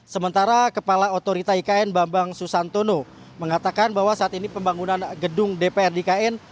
sementara kepala otorita ikn bambang susantono mengatakan bahwa saat ini pembangunan gedung dpr dikn